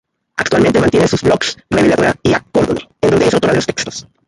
Actualmente mantiene sus blogs "Reveladora", y "Acórdome"en donde es autora de los textos.